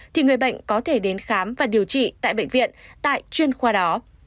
thì người bệnh có thể đến khám và điều trị tại bệnh viện tại chuyên khoa đó